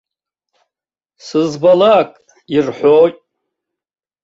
Сызбалак ирҳәоит.